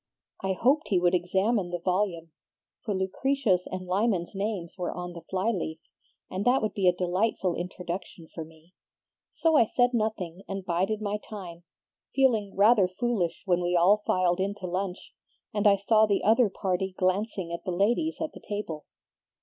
"I hoped he would examine the volume, for Lucretia's and Lyman's names were on the fly leaf, and that would be a delightful introduction for me. So I said nothing and bided my time, feeling rather foolish when we all filed in to lunch, and I saw the other party glancing at the ladies at the table.